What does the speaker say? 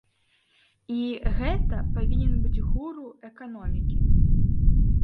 І гэта павінен быць гуру эканомікі.